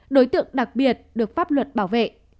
đối tượng đặc biệt được pháp luật bảo vệ